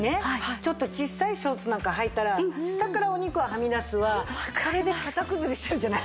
ちょっと小さいショーツなんかはいたら下からお肉ははみ出すわそれで型崩れしちゃうじゃない。